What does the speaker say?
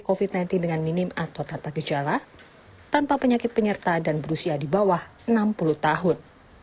covid sembilan belas dengan minim atau tanpa gejala tanpa penyakit penyerta dan berusia di bawah enam puluh tahun